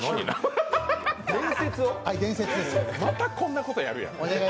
またこんなことやるやん。